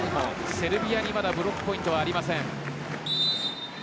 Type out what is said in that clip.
セルビアにまだブロックポイントはありません。